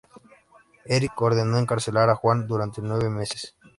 Erik ordenó encarcelar a Juan durante nueve meses.